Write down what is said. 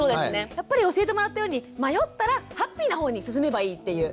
やっぱり教えてもらったように迷ったらハッピーなほうに進めばいいっていう。